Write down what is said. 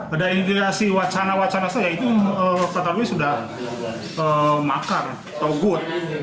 ada ideasi wacana wacana saja itu kata kata sudah makar atau good